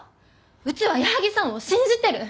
うちは矢作さんを信じてる。